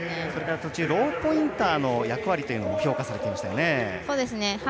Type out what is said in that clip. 途中ローポインターの役割というのも評価されていましたよね。